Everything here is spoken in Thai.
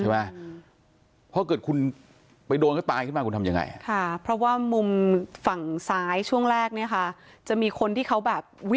เห็นไหมคะอ่ะแล้วรถคันนี้คุณกันมาสอนรถคันนี้อีกอ่ะ